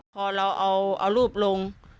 พอเราเอารูปลง